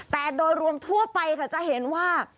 แต่โดยรวมทั่วไปค่ะจะเห็นว่า